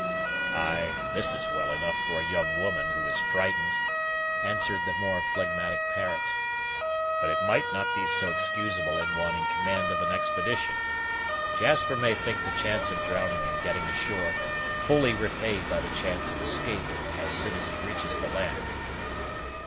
"Ay, this is well enough for a young woman who is frightened," answered the more phlegmatic parent; "but it might not be so excusable in one in command of an expedition. Jasper may think the chance of drowning in getting ashore fully repaid by the chance of escaping as soon as he reaches the land."